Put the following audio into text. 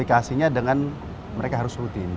nanti yaudah beda bakal kesehatan kita